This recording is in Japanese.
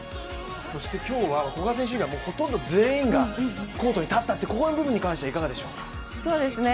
今日は古賀選手以外、ほとんど全員がコートに立った、ここの部分に対してはいかがでしょうか？